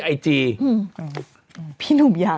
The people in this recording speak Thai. ขออีกทีอ่านอีกที